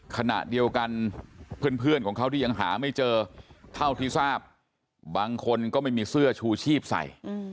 ขณะเดียวกันเพื่อนของเขาที่ยังหาไม่เจอเท่าที่ทราบบางคนก็ไม่มีเสื้อชูชีพใส่